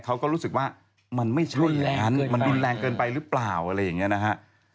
เขาก็รู้สึกว่ามันไม่ใช่อย่างนั้นมันรุนแรงเกินไปหรือเปล่าอะไรอย่างนี้นะฮะ